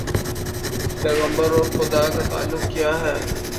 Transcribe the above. پیغمبر اور خدا کا تعلق کیا ہے؟